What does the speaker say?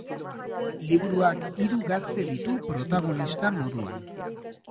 Liburuak hiru gazte ditu protagonista moduan.